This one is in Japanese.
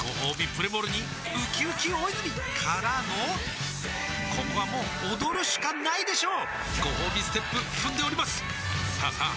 プレモルにうきうき大泉からのここはもう踊るしかないでしょうごほうびステップ踏んでおりますさあさあ